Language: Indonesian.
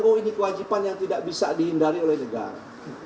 oh ini kewajiban yang tidak bisa dihindari oleh negara